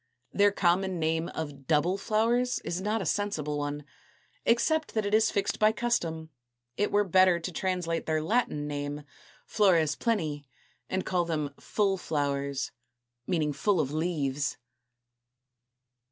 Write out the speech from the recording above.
Their common name of double flowers is not a sensible one: except that it is fixed by custom, it were better to translate their Latin name, flores pleni, and call them full flowers, meaning full of leaves.